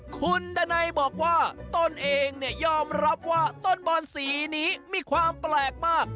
คุณดันัยบอกว่าตนเองเนี่ยยอมรับว่าต้นบอนสีนี้มีความแปลกมาก